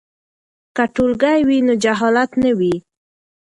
که ټولګی وي نو جهالت نه وي.